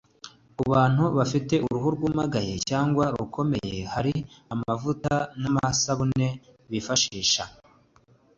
Ku bantu bafite uruhu rwumagaye cyangwa rukomeye hari amavuta n’amasabune bifasha kongera korohera no kururinda kwangirika